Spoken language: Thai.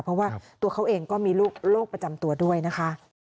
เพราะว่าตัวเขาเองก็มีโรคประจำตัวด้วยนะคะ